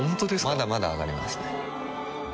まだまだ上がりますね